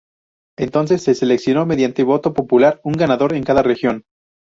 Entonces se seleccionó, mediante voto popular, un ganador en cada región.